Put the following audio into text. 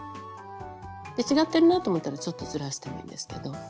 で違ってるなと思ったらちょっとずらしてもいいんですけど。